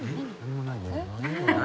何？